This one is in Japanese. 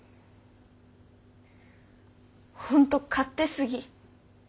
本当勝手すぎ。